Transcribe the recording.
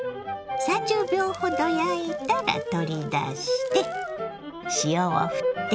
３０秒ほど焼いたら取り出して塩をふっておきます。